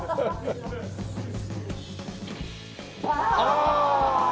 ああ！